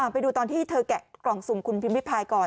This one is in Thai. ไปดูตอนที่เธอแกะกล่องสุ่มคุณพิมพิพายก่อน